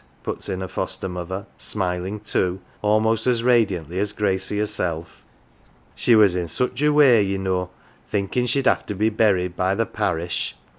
" puts in her foster mother, smiling too, almost as radiantly as Gracie herself. " She was in such a way, ye know, thinkin' she'd have to be buried by the parish.